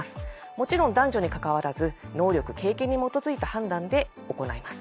もちろん男女にかかわらず能力経験に基づいた判断で行います。